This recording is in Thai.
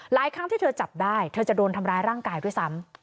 ครั้งที่เธอจับได้เธอจะโดนทำร้ายร่างกายด้วยซ้ำ